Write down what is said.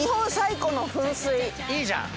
いいじゃん！